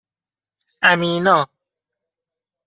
امینا